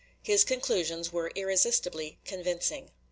His conclusions were irresistibly convincing.